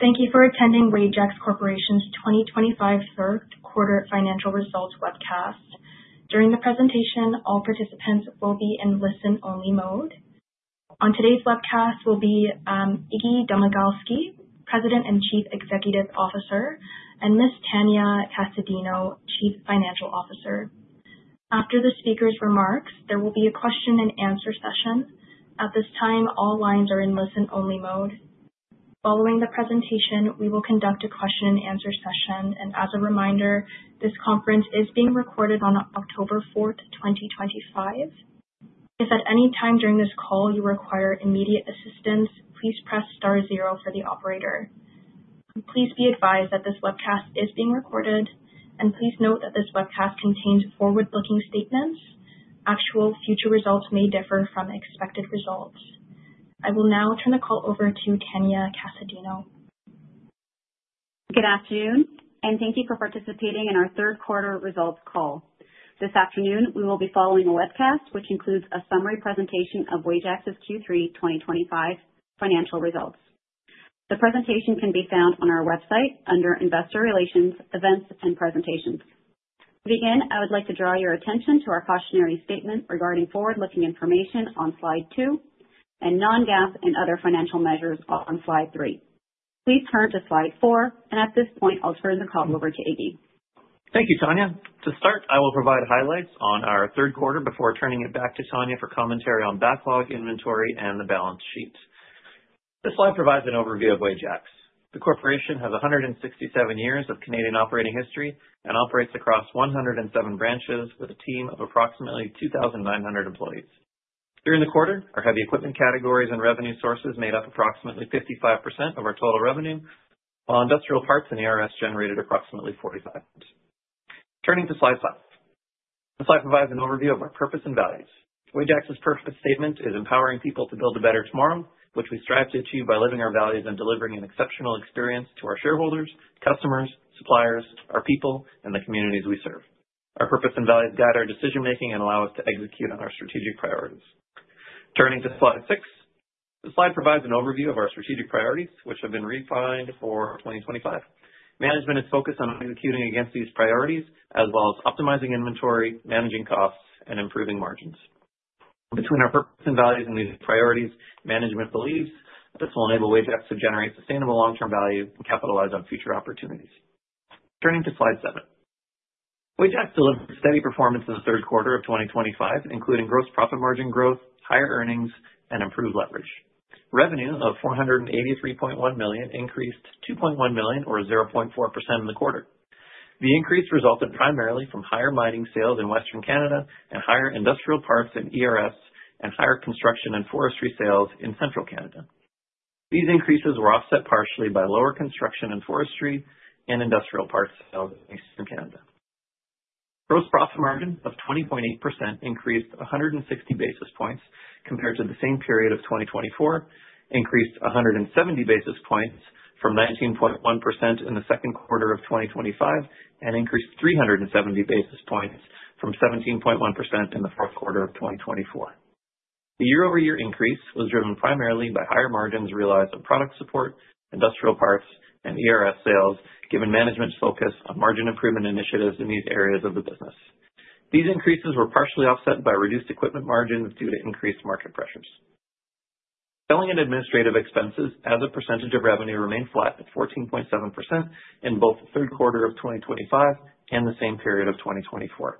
Thank you for attending Wajax Corporation's 2025 third quarter financial results webcast. During the presentation, all participants will be in listen-only mode. On today's webcast will be Iggy Domagalski, President and Chief Executive Officer, and Miss Tania Casadinho, Chief Financial Officer. After the speaker's remarks, there will be a question and answer session. At this time all lines are on a listen-only mode. In the presentation we will conduct a question and answer session and as a reminder this conference is being recorded on October 4th, 2025. If at anytime during the call you require immediate assistance, please press star zero for the operator. Please be advised that this webcast is being recorded, and please note that this webcast contains forward-looking statements. Actual future results may differ from expected results. I will now turn the call over to Tania Casadinho. Good afternoon, thank you for participating in our third quarter results call. This afternoon, we will be following a webcast which includes a summary presentation of Wajax's Q3 2025 financial results. The presentation can be found on our website under Investor Relations, Events and Presentations. To begin, I would like to draw your attention to our cautionary statement regarding forward-looking information on Slide 2 and non-GAAP and other financial measures on Slide 3. Please turn to Slide 4, at this point, I'll turn the call over to Iggy. Thank you, Tania. To start, I will provide highlights on our third quarter before turning it back to Tania for commentary on backlog inventory and the balance sheet. This slide provides an overview of Wajax. The corporation has 167 years of Canadian operating history and operates across 107 branches with a team of approximately 2,900 employees. During the quarter, our heavy equipment categories and revenue sources made up approximately 55% of our total revenue, while Industrial Parts and ERS generated approximately 45%. Turning to Slide 5. This slide provides an overview of our purpose and values. Wajax's purpose statement is empowering people to build a better tomorrow, which we strive to achieve by living our values and delivering an exceptional experience to our shareholders, customers, suppliers, our people, and the communities we serve. Our purpose and values guide our decision-making and allow us to execute on our strategic priorities. Turning to Slide 6. This slide provides an overview of our strategic priorities, which have been refined for 2025. Management is focused on executing against these priorities, as well as optimizing inventory, managing costs, and improving margins. Between our purpose and values and these priorities, management believes this will enable Wajax to generate sustainable long-term value and capitalize on future opportunities. Turning to Slide 7. Wajax delivered steady performance in the third quarter of 2025, including gross profit margin growth, higher earnings, and improved leverage. Revenue of 483.1 million increased 2.1 million or 0.4% in the quarter. The increase resulted primarily from higher mining sales in Western Canada and higher Industrial Parts and ERS and higher construction and forestry sales in Central Canada. These increases were offset partially by lower construction and forestry and Industrial Parts sales in Eastern Canada. Gross profit margin of 20.8% increased 160 basis points compared to the same period of 2024, increased 170 basis points from 19.1% in the second quarter of 2025, and increased 370 basis points from 17.1% in the fourth quarter of 2025. The year-over-year increase was driven primarily by higher margins realized on product support, Industrial Parts, and ERS sales, given management's focus on margin improvement initiatives in these areas of the business. These increases were partially offset by reduced equipment margins due to increased market pressures. Selling and administrative expenses as a percentage of revenue remained flat at 14.7% in both the third quarter of 2025 and the same period of 2024.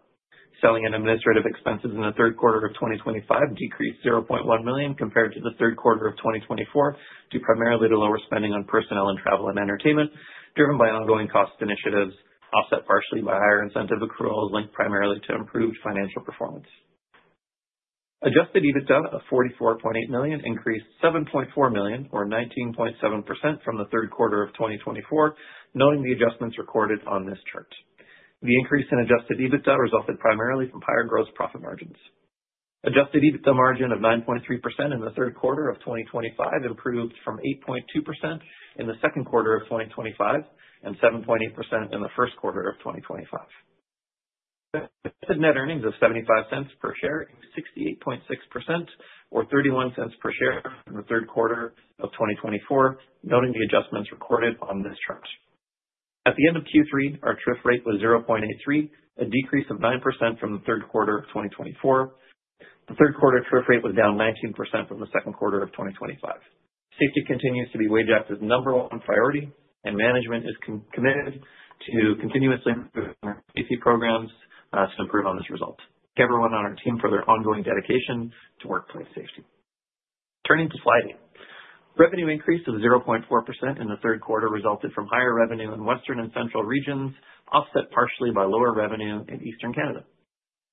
Selling and administrative expenses in the third quarter of 2025 decreased 0.1 million compared to the third quarter of 2024, due primarily to lower spending on personnel and travel and entertainment, driven by ongoing cost initiatives, offset partially by higher incentive accruals, linked primarily to improved financial performance. Adjusted EBITDA of CAD 44.8 million increased CAD 7.4 million or 19.7% from the third quarter of 2024, noting the adjustments recorded on this chart. The increase in Adjusted EBITDA resulted primarily from higher gross profit margins. Adjusted EBITDA margin of 9.3% in the third quarter of 2025 improved from 8.2% in the second quarter of 2025 and 7.8% in the first quarter of 2025. The net earnings of 0.75 per share, 68.6% or 0.31 per share in the third quarter of 2024, noting the adjustments recorded on this chart. At the end of Q3, our TRIF rate was 0.83, a decrease of 9% from the third quarter of 2024. The third quarter TRIF rate was down 19% from the second quarter of 2025. Safety continues to be Wajax's number one priority, and management is committed to continuously improving our safety programs to improve on this result. Thank everyone on our team for their ongoing dedication to workplace safety. Turning to Slide 8. Revenue increase of 0.4% in the third quarter resulted from higher revenue in Western and Central regions, offset partially by lower revenue in Eastern Canada.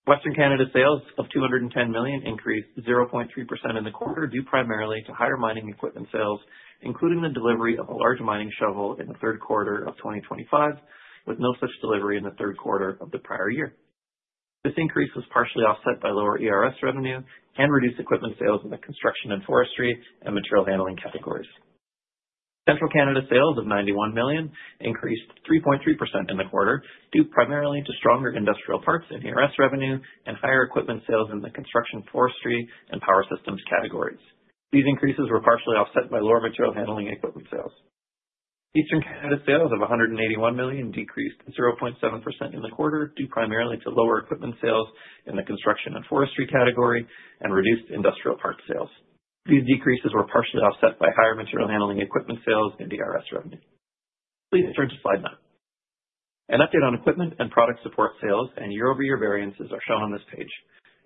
Western Canada sales of 210 million increased 0.3% in the quarter, due primarily to higher mining equipment sales, including the delivery of a large mining shovel in the third quarter of 2025, with no such delivery in the third quarter of the prior year. This increase was partially offset by lower ERS revenue and reduced equipment sales in the construction and forestry and material handling categories. Central Canada sales of 91 million increased 3.3% in the quarter, due primarily to stronger Industrial Parts in ERS revenue and higher equipment sales in the construction, forestry, and power systems categories. These increases were partially offset by lower material handling equipment sales. Eastern Canada sales of CAD 181 million decreased 0.7% in the quarter, due primarily to lower equipment sales in the construction and forestry category and reduced industrial parts sales. These decreases were partially offset by higher material handling equipment sales and ERS revenue. Please turn to Slide 9. An update on equipment and product support sales and year-over-year variances are shown on this page.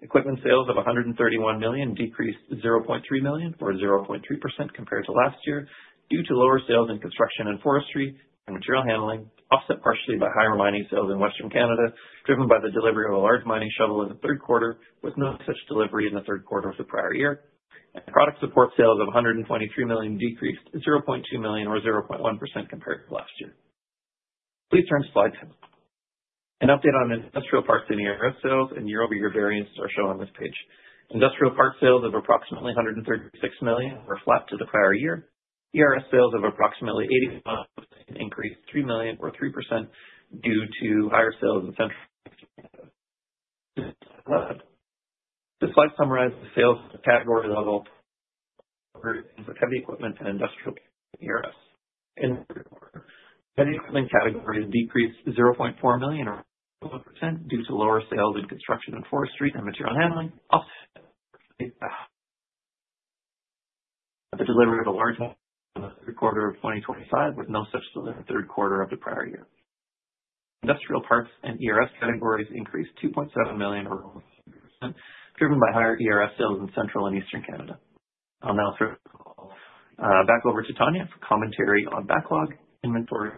Equipment sales of 131 million decreased 0.3 million, or 0.3% compared to last year, due to lower sales in construction and forestry and material handling, offset partially by higher mining sales in Western Canada, driven by the delivery of a large mining shovel in the third quarter, with no such delivery in the third quarter of the prior year. Product support sales of 123 million decreased 0.2 million or 0.1% compared to last year. Please turn to Slide 10. An update on Industrial Parts and ERS sales and year-over-year variance are shown on this page. Industrial Parts sales of approximately 136 million were flat to the prior year. ERS sales of approximately 85 million increased 3 million or 3% due to higher sales in Central. This slide summarizes the sales category level heavy equipment and Industrial ERS. In the current quarter, heavy equipment categories decreased 0.4 million or 4% due to lower sales in construction and forestry and material [inaudible] delivery of a large [inaudible] third quarter of 2025, with no such delivery third quarter of the prior year. Industrial Parts and ERS categories increased 2.7 million or 6%, driven by higher ERS sales in Central and Eastern Canada. I'll now throw the call back over to Tania for commentary on backlog inventory.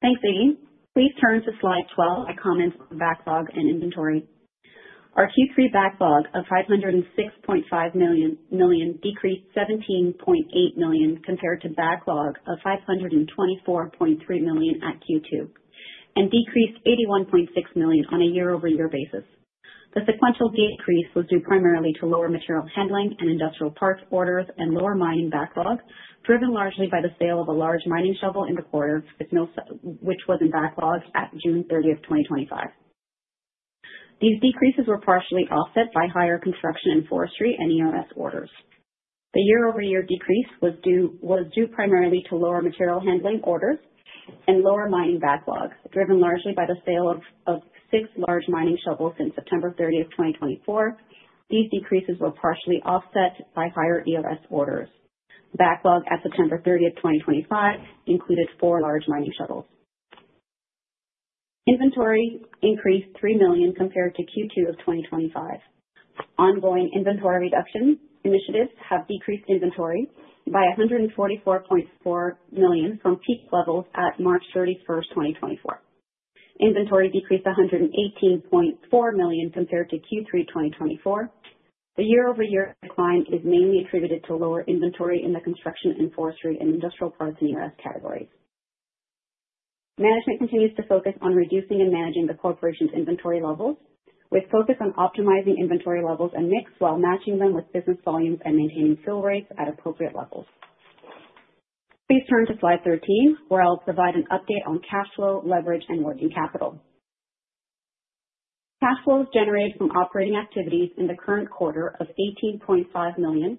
Thanks, Iggy Domagalski. Please turn to Slide 12. My comments on backlog and inventory. Our Q3 backlog of 506.5 million decreased 17.8 million compared to backlog of 524.3 million at Q2, and decreased 81.6 million on a year-over-year basis. The sequential decrease was due primarily to lower material handling and industrial parts orders and lower mining backlogs, driven largely by the sale of a large mining shovel in the quarter, which was in backlog at June 30th, 2025. These decreases were partially offset by higher construction and forestry and ERS orders. The year-over-year decrease was due primarily to lower material handling orders and lower mining backlogs, driven largely by the sale of six large mining shovels in September 30th, 2024. These decreases were partially offset by higher ERS orders. Backlog at September 30th, 2025 included four large mining shovels. Inventory increased 3 million compared to Q2 of 2025. Ongoing inventory reduction initiatives have decreased inventory by 144.4 million from peak levels at March 31st, 2024. Inventory decreased 118.4 million compared to Q3, 2024. The year-over-year decline is mainly attributed to lower inventory in the construction and forestry and industrial parts in ERS categories. Management continues to focus on reducing and managing the corporation's inventory levels, with focus on optimizing inventory levels and mix while matching them with business volumes and maintaining fill rates at appropriate levels. Please turn to Slide 13, where I'll provide an update on cash flow, leverage, and working capital. Cash flows generated from operating activities in the current quarter of 18.5 million,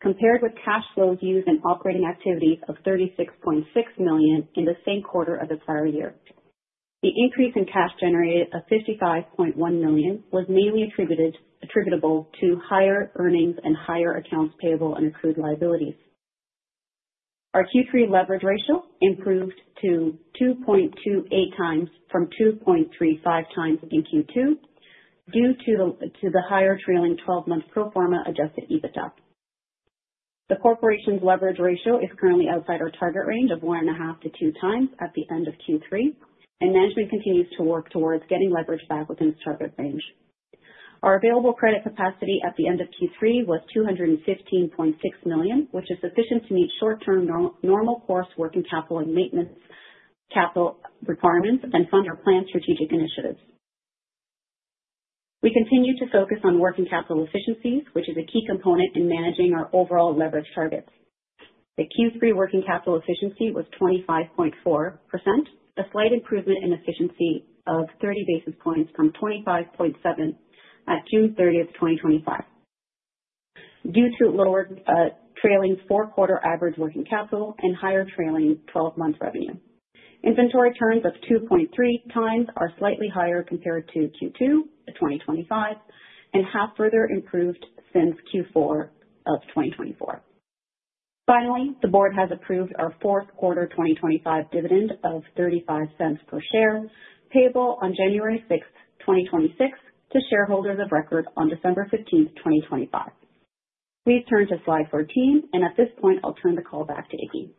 compared with cash flows used in operating activities of 36.6 million in the same quarter of the prior year. The increase in cash generated of 55.1 million was mainly attributable to higher earnings and higher accounts payable and accrued liabilities. Our Q3 leverage ratio improved to 2.28x from 2.35x in Q2 due to the higher trailing 12-month pro forma Adjusted EBITDA. The corporation's leverage ratio is currently outside our target range of 1.5x-2x at the end of Q3. Management continues to work towards getting leverage back within its target range. Our available credit capacity at the end of Q3 was 215.6 million, which is sufficient to meet short-term normal course working capital and maintenance capital requirements and fund our planned strategic initiatives. We continue to focus on working capital efficiencies, which is a key component in managing our overall leverage targets. The Q3 working capital efficiency was 25.4%, a slight improvement in efficiency of 30 basis points from 25.7% at June 30, 2025. Due to lower trailing four-quarter average working capital and higher trailing 12-month revenue. Inventory turns of 2.3x are slightly higher compared to Q2 2025, and have further improved since Q4 of 2024. Finally, the board has approved our fourth quarter 2025 dividend of 0.35 per share, payable on January 6th, 2026 to shareholders of record on December 15th, 2025. Please turn to Slide 13. At this point, I'll turn the call back to Iggy.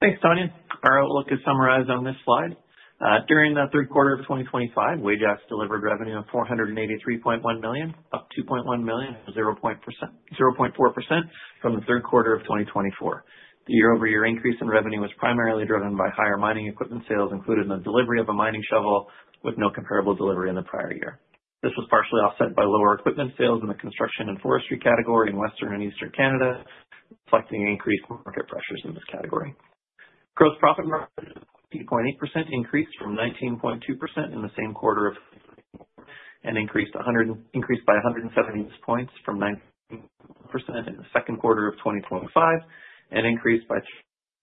Thanks, Tania. Our outlook is summarized on this slide. During the third quarter of 2025, Wajax delivered revenue of 483.1 million, up 2.1 million, 0.4% from the third quarter of 2024. The year-over-year increase in revenue was primarily driven by higher mining equipment sales included in the delivery of a mining shovel, with no comparable delivery in the prior year. This was partially offset by lower equipment sales in the construction and forestry category in Western and Eastern Canada, reflecting increased market pressures in this category. Gross profit margin of 20.8% increased from 19.2% in the same quarter of- and increased by 170 points from 9% in the second quarter of 2025, and increased by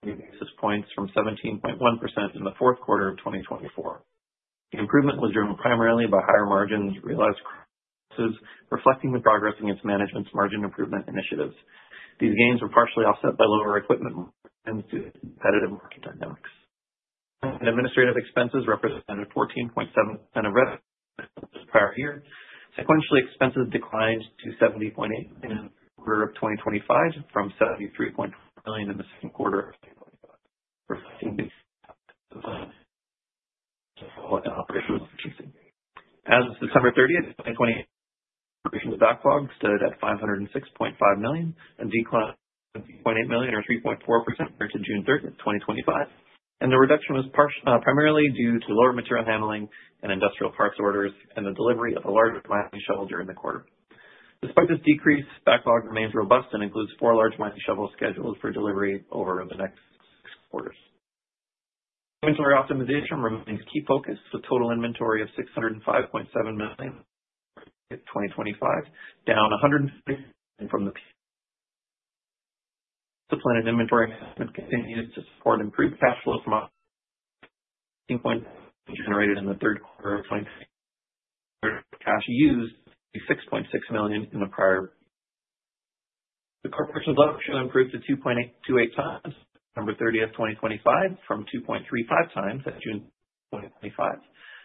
3 basis points from 17.1% in the fourth quarter of 2024. The improvement was driven primarily by higher margins realized reflecting the progress against management's margin improvement initiatives. These gains were partially offset by lower equipment due to competitive market dynamics. Administrative expenses represented 14.7% of [inaudible] prior year. Sequentially, expenses declined to 70.8 billion in the quarter of 2025 from 73.0 billion in the second quarter of 2025. Reflecting the operations. As of December 30th, 2020, backlog stood at 506.5 million, a decline of 3.8 million or 3.4% compared to June 30, 2025. The reduction was primarily due to lower material handling and industrial parts orders and the delivery of a large mining shovel during the quarter. Despite this decrease, backlog remains robust and includes four large mining shovels scheduled for delivery over the next six quarters. Inventory optimization remains key focus, with total inventory of 605.7 million 2025, down 100 million from the prior. Sustaining inventory has continued to support improved cash flow from operations generated in the third quarter of 2023 cash used 66.6 million in the prior. The corporation's leverage improved to 2.28x December 30th, 2025, from 2.35x at June 2025.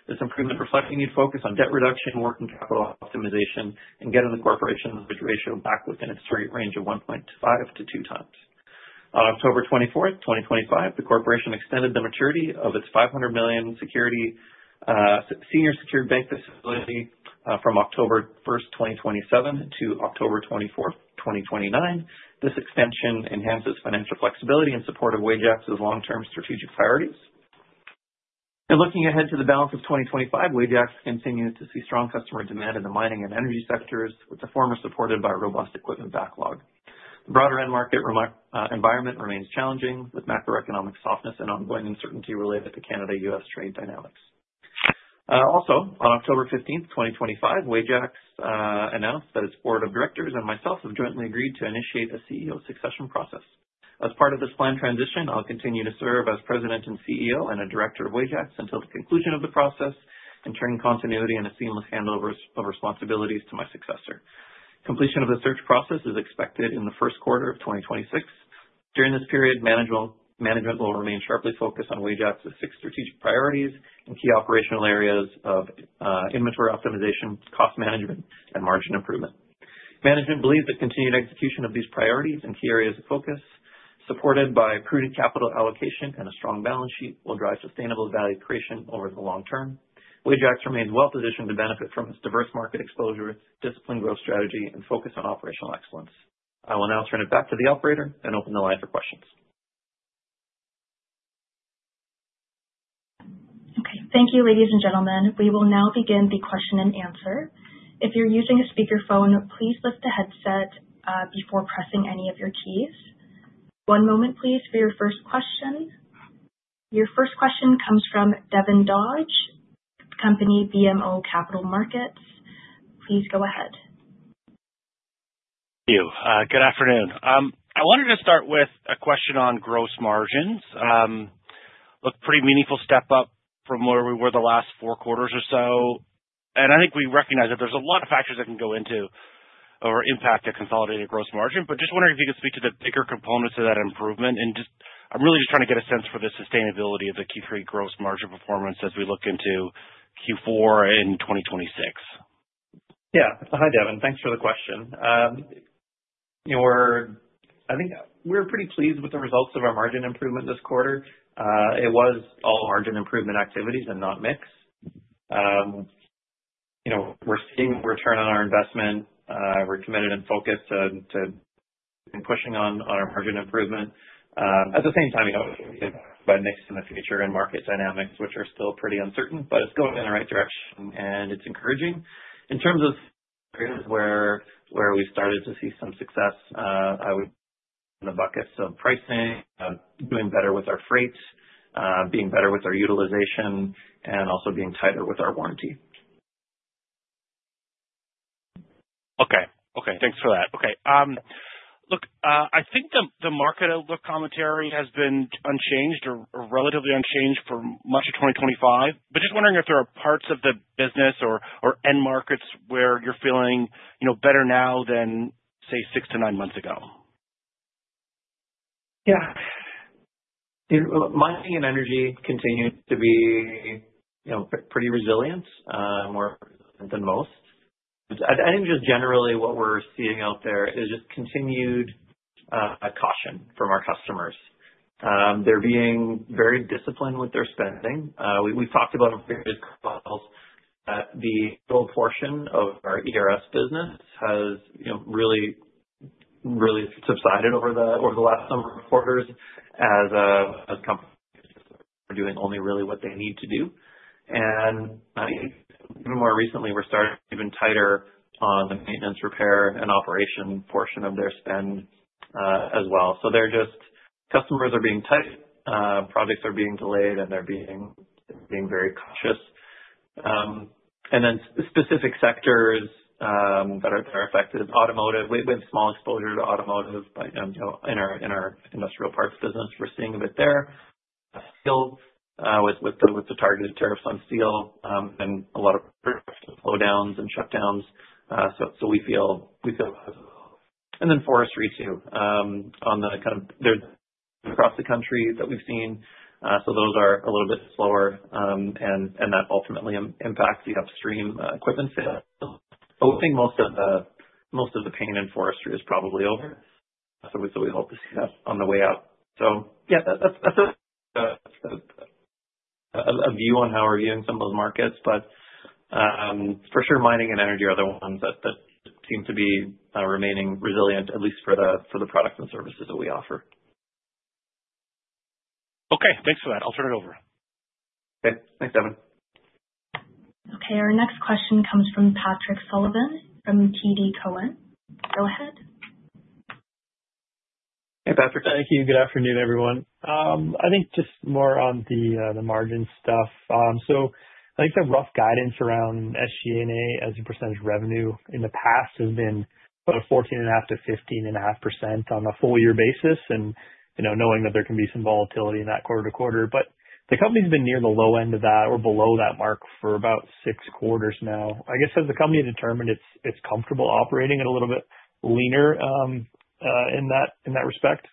This improvement reflecting the focus on debt reduction, working capital optimization, and getting the corporation leverage ratio back within its target range of 1.5x-2x. On October 24th, 2025, the corporation extended the maturity of its 500 million senior secured bank facility from October 1st, 2027 to October 24th, 2029. This extension enhances financial flexibility in support of Wajax's long-term strategic priorities. Looking ahead to the balance of 2025, Wajax continues to see strong customer demand in the mining and energy sectors, with the former supported by robust equipment backlog. The broader end market environment remains challenging, with macroeconomic softness and ongoing uncertainty related to Canada-U.S. trade dynamics. Also, on October 15th, 2025, Wajax announced that its board of directors and myself have jointly agreed to initiate a CEO succession process. As part of this planned transition, I'll continue to serve as President and CEO and a director of Wajax until the conclusion of the process, ensuring continuity and a seamless handover of responsibilities to my successor. Completion of the search process is expected in the first quarter of 2026. During this period, management will remain sharply focused on Wajax's six strategic priorities and key operational areas of inventory optimization, cost management, and margin improvement. Management believes the continued execution of these priorities and key areas of focus, supported by prudent capital allocation and a strong balance sheet, will drive sustainable value creation over the long term. Wajax remains well-positioned to benefit from its diverse market exposure, disciplined growth strategy, and focus on operational excellence. I will now turn it back to the operator and open the line for questions. Okay. Thank you, ladies and gentlemen. We will now begin the question and answer. If you're using a speakerphone, please lift the headset before pressing any of your keys. One moment please, for your first question. Your first question comes from Devin Dodge, company BMO Capital Markets. Please go ahead. Thank you. Good afternoon. I wanted to start with a question on gross margins. A pretty meaningful step up from where we were the last four quarters or so, and I think we recognize that there's a lot of factors that can go into or impact a consolidated gross margin. But just wondering if you could speak to the bigger components of that improvement. I'm really just trying to get a sense for the sustainability of the Q3 gross margin performance as we look into Q4 in 2026. Yeah. Hi, Devin. Thanks for the question. You know, I think we're pretty pleased with the results of our margin improvement this quarter. It was all margin improvement activities and not mix. You know, we're seeing return on our investment. We're committed and focused to pushing on our margin improvement. At the same time, you know, by mix in the future and market dynamics, which are still pretty uncertain, but it's going in the right direction and it's encouraging. In terms of areas where we started to see some success. The buckets of pricing, doing better with our freight, being better with our utilization, and also being tighter with our warranty. Thanks for that. Look, I think the market outlook commentary has been unchanged or relatively unchanged for much of 2025. Just wondering if there are parts of the business or end markets where you're feeling, you know, better now than, say, 6-9 months ago. Yeah. You know, mining and energy continue to be, you know, pretty resilient, more than most. I think just generally what we're seeing out there is just continued caution from our customers. They're being very disciplined with their spending. We've talked about the overhaul portion of our ERS business has, you know, really subsided over the last number of quarters as companies are doing only really what they need to do. I think even more recently, we're seeing even tighter on the maintenance, repair, and operation portion of their spend, as well. Customers are being tight, projects are being delayed, and they're being very cautious. Specific sectors that are affected. Automotive. We've small exposure to automotive, but, you know, in our industrial parts business, we're seeing a bit there. Steel, with the targeted tariffs on steel, and a lot of slowdowns and shutdowns. So we feel. Then forestry too, on the kind of there across the country that we've seen. So those are a little bit slower, and that ultimately impacts the upstream equipment sales. We think most of the pain in forestry is probably over. We hope to see that on the way out. Yeah, that's a view on how we're viewing some of those markets. For sure, mining and energy are the ones that seem to be remaining resilient, at least for the products and services that we offer. Okay, thanks for that. I'll turn it over. Okay, thanks, Devin. Okay, our next question comes from Patrick Sullivan from TD Cowen. Go ahead. Hey, Patrick. Thank you. Good afternoon, everyone. I think just more on the margin stuff. I think the rough guidance around SG&A as a percentage revenue in the past has been sort of 14.5%-15.5% on a full year basis. You know, knowing that there can be some volatility in that quarter-to-quarter, but the company's been near the low end of that or below that mark for about six quarters now. I guess has the company determined it's comfortable operating it a little bit leaner in that respect?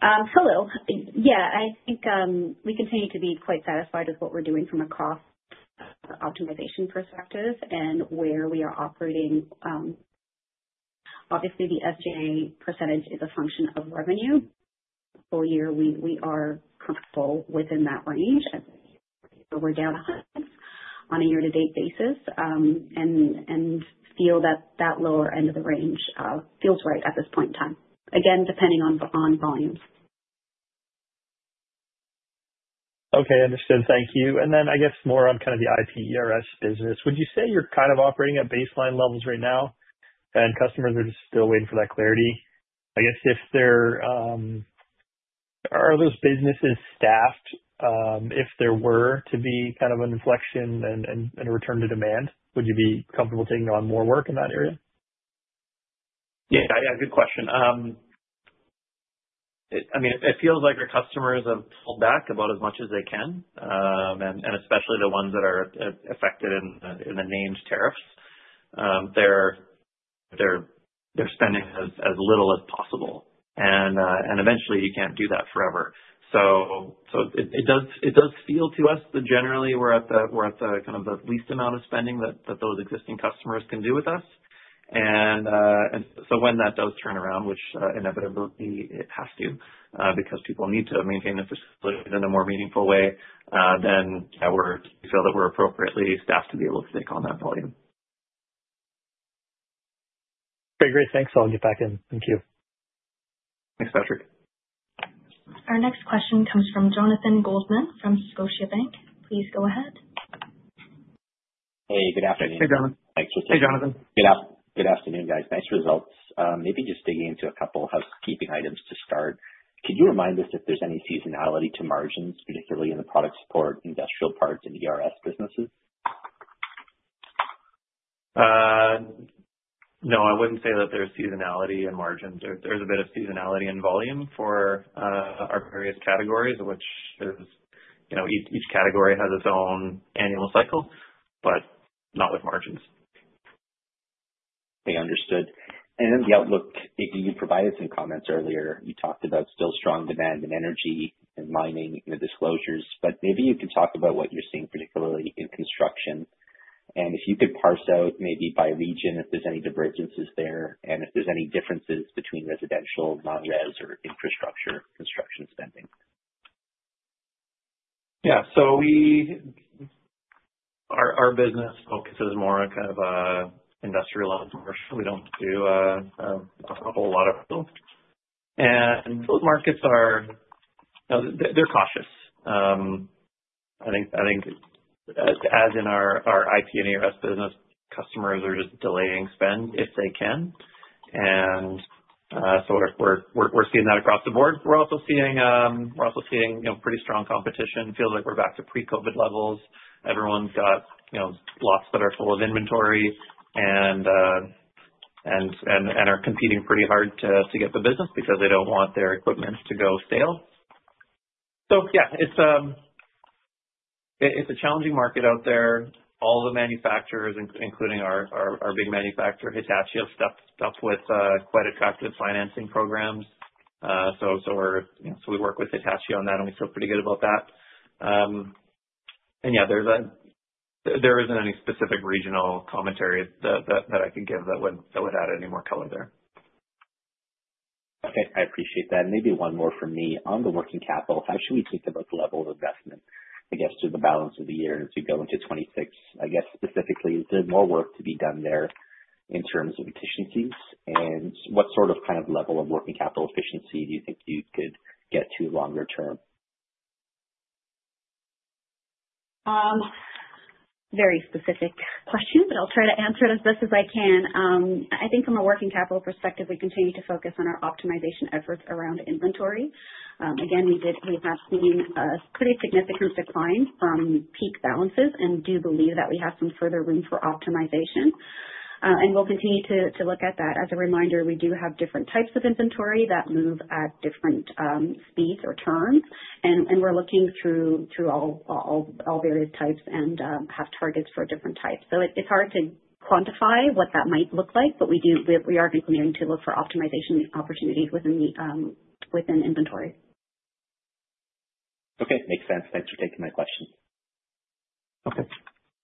Hello. Yeah, I think we continue to be quite satisfied with what we're doing from a cost optimization perspective and where we are operating. Obviously the SG&A percentage is a function of revenue. Full year, we are comfortable within that range. We're down on a year to date basis, and feel that lower end of the range feels right at this point in time, again, depending on volumes. Okay, understood. Thank you. I guess more on kind of the IP and ERS business. Would you say you're kind of operating at baseline levels right now and customers are just still waiting for that clarity? Are those businesses staffed? If there were to be kind of an inflection and a return to demand, would you be comfortable taking on more work in that area? Yeah. Good question. I mean, it feels like our customers have pulled back about as much as they can, and especially the ones that are affected in the named tariffs. They're spending as little as possible. Eventually you can't do that forever. It does feel to us that generally we're at the kind of the least amount of spending that those existing customers can do with us. When that does turn around, which inevitably it has to, because people need to maintain their facilities in a more meaningful way, then yeah, we feel that we're appropriately staffed to be able to take on that volume. Okay, great. Thanks. I'll loop back in. Thank you. Thanks, Patrick. Our next question comes from Jonathan Goldman from Scotiabank. Please go ahead. Hey, good afternoon. Hey, Jonathan. Thanks. Hey, Jonathan. Good afternoon, guys. Nice results. Maybe just digging into a couple housekeeping items to start. Could you remind us if there's any seasonality to margins, particularly in the product support, Industrial Parts, and ERS businesses? No, I wouldn't say that there's seasonality in margins. There's a bit of seasonality in volume for our various categories, which is, you know, each category has its own annual cycle, but not with margins. Okay. Understood. The outlook, you provided some comments earlier. You talked about still strong demand in energy and mining in the disclosures, but maybe you could talk about what you're seeing particularly in construction and if you could parse out maybe by region, if there's any divergences there and if there's any differences between residential, non-res or infrastructure construction spending. Yeah. Our business focuses more on kind of industrial commercial. We don't do a whole lot of build. Those markets are. They're cautious. I think as in our IP and ERS business, customers are just delaying spend if they can. We're seeing that across the board. We're also seeing you know pretty strong competition. Feels like we're back to pre-COVID levels. Everyone's got you know lots that are full of inventory and are competing pretty hard to get the business because they don't want their equipment to go stale. Yeah, it's a challenging market out there. All the manufacturers, including our big manufacturer, Hitachi, have stepped up with quite attractive financing programs. We're, you know, so we work with Hitachi on that, and we feel pretty good about that. Yeah, there isn't any specific regional commentary that I can give that would add any more color there. Okay, I appreciate that. Maybe one more from me. On the working capital, how should we think about the level of investment, I guess, through the balance of the year to go into 2026? I guess specifically, is there more work to be done there in terms of efficiencies and what sort of, kind of level of working capital efficiency do you think you could get to longer term? Very specific question, but I'll try to answer it as best as I can. I think from a working capital perspective, we continue to focus on our optimization efforts around inventory. Again, we have seen a pretty significant decline from peak balances and do believe that we have some further room for optimization and we'll continue to look at that. As a reminder, we do have different types of inventory that move at different speeds or turns and we're looking through all various types and have targets for different types. It's hard to quantify what that might look like, but we are continuing to look for optimization opportunities within the inventory. Okay. Makes sense. Thanks for taking my question. Okay.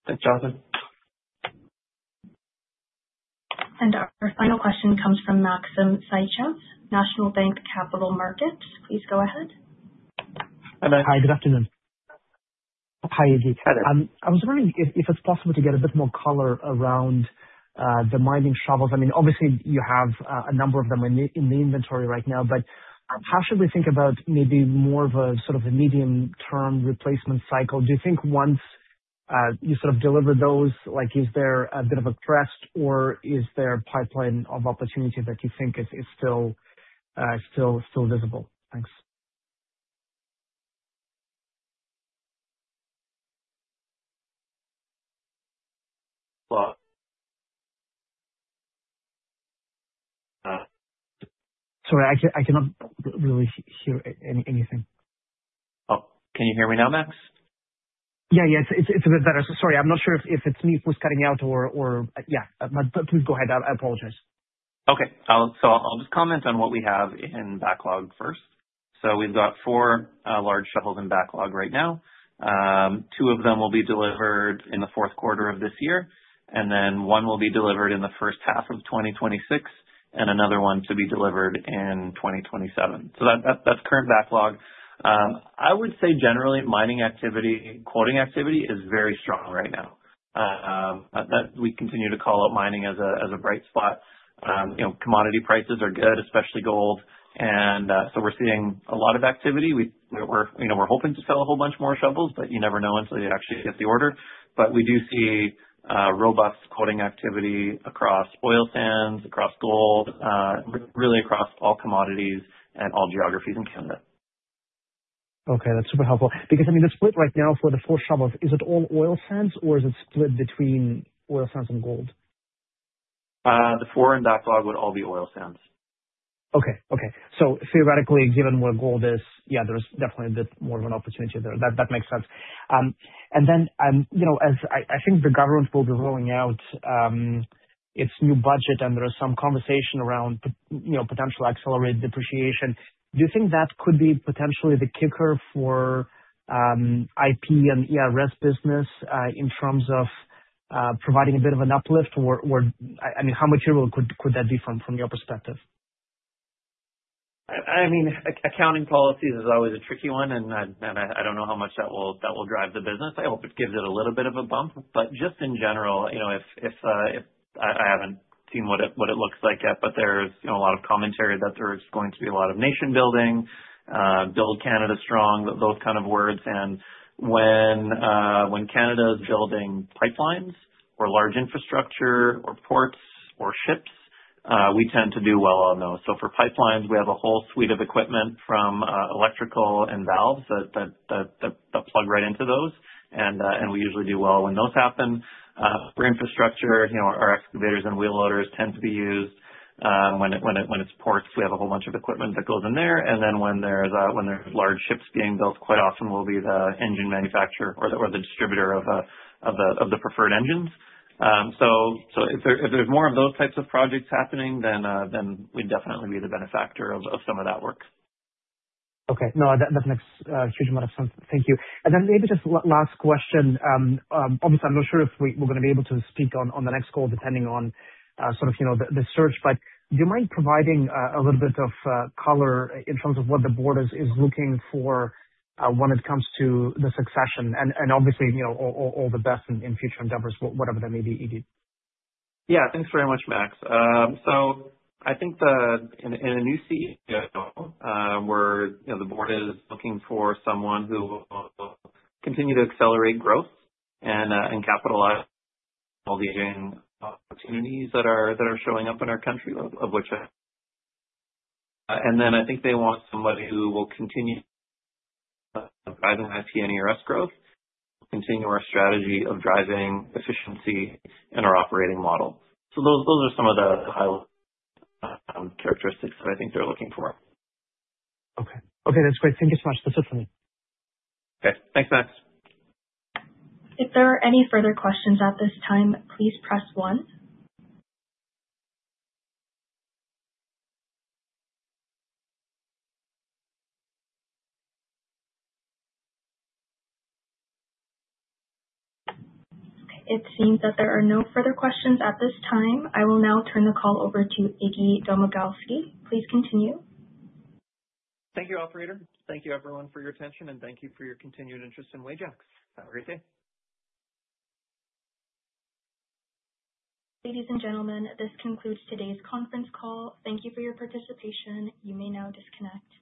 Thanks, Jonathan. Our final question comes from Maxim Sytchev, National Bank Capital Markets. Please go ahead. Hello. Hi, good afternoon. Hi, Iggy. Hi, there. I was wondering if it's possible to get a bit more color around the mining shovels. I mean, obviously you have a number of them in the inventory right now, but how should we think about maybe more of a sort of a medium-term replacement cycle? Do you think once you sort of deliver those, like, is there a bit of a crest, or is there a pipeline of opportunities that you think is still visible? Thanks. Well, uh- Sorry, I cannot really hear anything. Oh, can you hear me now, Max? Yeah. It's a bit better. Sorry, I'm not sure if it's me who was cutting out or. Yeah. No, please go ahead. I apologize. Okay. I'll just comment on what we have in backlog first. We've got four large shovels in backlog right now. Two of them will be delivered in the fourth quarter of this year, and then one will be delivered in the first half of 2026, and another one to be delivered in 2027. That's current backlog. I would say generally, mining activity, quoting activity is very strong right now. We continue to call out mining as a bright spot. You know, commodity prices are good, especially gold, and so we're seeing a lot of activity. We're you know, we're hoping to sell a whole bunch more shovels, but you never know until you actually get the order. We do see robust quoting activity across oil sands, across gold, really across all commodities and all geographies in Canada. Okay, that's super helpful. Because I mean, the split right now for the four shovels, is it all oil sands or is it split between oil sands and gold? The four in backlog would all be oil sands. Okay. Theoretically, given where gold is, yeah, there's definitely a bit more of an opportunity there. That makes sense. You know, as I think the government will be rolling out its new budget and there is some conversation around, you know, potential accelerated depreciation. Do you think that could be potentially the kicker for IP and ERS business in terms of providing a bit of an uplift, or I mean, how material could that be from your perspective? I mean, accounting policies is always a tricky one, and I don't know how much that will drive the business. I hope it gives it a little bit of a bump. Just in general, you know, I haven't seen what it looks like yet, but there's, you know, a lot of commentary that there's going to be a lot of nation building, build Canada strong, those kind of words. When Canada's building pipelines or large infrastructure or ports or ships, we tend to do well on those. For pipelines, we have a whole suite of equipment from electrical and valves that plug right into those. We usually do well when those happen. For infrastructure, you know, our excavators and wheel loaders tend to be used. When it's ports, we have a whole bunch of equipment that goes in there. When there's large ships being built, quite often we'll be the engine manufacturer or the distributor of the preferred engines. If there's more of those types of projects happening, then we'd definitely be the benefactor of some of that work. Okay. No, that makes a huge amount of sense. Thank you. Then maybe just one last question. Obviously, I'm not sure if we're gonna be able to speak on the next call, depending on sort of, you know, the search. But do you mind providing a little bit of color in terms of what the board is looking for when it comes to the succession? Obviously, you know, all the best in future endeavors, whatever they may be, Iggy. Yeah. Thanks very much, Max. I think in a new CEO, we're you know the board is looking for someone who will continue to accelerate growth and capitalize all the opportunities that are showing up in our country of which, I think they want somebody who will continue driving IP and ERS growth, continue our strategy of driving efficiency in our operating model. Those are some of the high characteristics that I think they're looking for. Okay, that's great. Thank you so much. That's it for me. Okay. Thanks, Max. If there are any further questions at this time please press one. It seems that there are no further questions at this time. I will now turn the call over to Iggy Domagalski. Please continue. Thank you, operator. Thank you everyone for your attention, and thank you for your continued interest in Wajax. Have a great day. Ladies and gentlemen, this concludes today's conference call. Thank you for your participation. You may now disconnect.